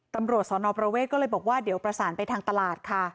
ตำรวจสนประเวทก็เลยบอกว่าเดี๋ยวประสานไปทางตลาดค่ะ